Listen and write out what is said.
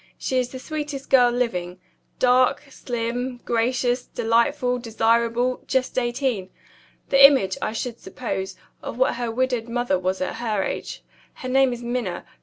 She is the sweetest girl living. Dark, slim, gracious, delightful, desirable, just eighteen. The image, I should suppose, of what her widowed mother was at her age. Her name is Minna.